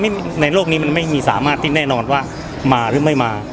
ในโลกนี้มันไม่มีสามารถที่แน่นอนว่ามาหรือไม่มา